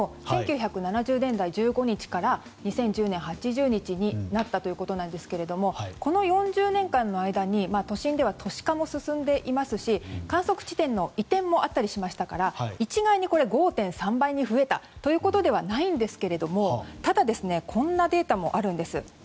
１９７０年代の１５日から２０１０年代、８０日になったということですけれどもこの４０年間の間に都心では都市化も進んでいますし観測地点の移転もあったりしましたから一概に５．３倍に増えたということではないんですけれどもただ、こんなデータもあります。